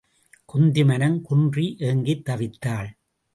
குந்தி மனம் குன்றி ஏங்கித்தவித்தாள்.